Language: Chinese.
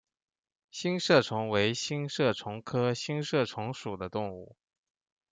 星射虫为星射虫科星射虫属的动物。